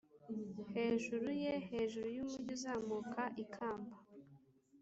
hejuru ye hejuru yumujyi uzamuka ikamba